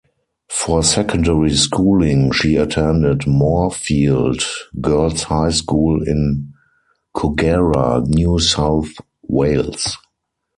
For secondary schooling, she attended Moorefield Girls High School in Kogarah, New South Wales.